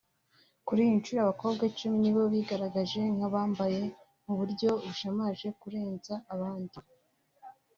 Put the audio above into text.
Kuri iyi nshuro abakobwa icumi nibo bigaragaje nk’abambaye mu buryo bushamaje kurenza abandi